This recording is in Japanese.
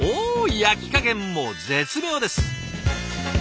焼き加減も絶妙です。